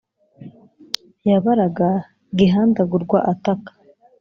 Yabaraga Gihandagurwa ataka